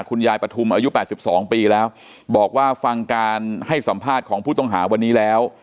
ปฐุมอายุ๘๒ปีแล้วบอกว่าฟังการให้สัมภาษณ์ของผู้ต้องหาวันนี้แล้ว